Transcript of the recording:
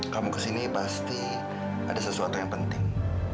kamu kesini pasti ada sesuatu yang penting